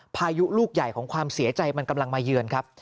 พายุลูกใหญ่ของความเสียใจมันกำลังมาเยือนครับ